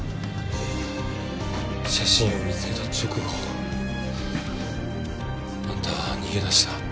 写真を見つけた直後あんたは逃げ出した。